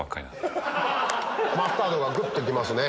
マスタードがぐってきますね。